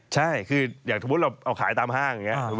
ใช่คืออย่างสมมุติเราเอาขายตามห้างอย่างนี้